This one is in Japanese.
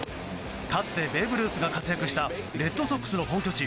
かつてベーブ・ルースが活躍したレッドソックスの本拠地